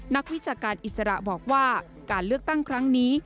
นักวิชาการอิสระบอกว่าการเลือกตั้งครั้งนี้